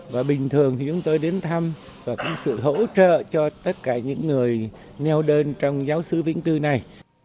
và bình thường thì chúng tôi đến thăm và có sự hỗ trợ cho tất cả những người neo đơn trong giáo sư vĩnh tư này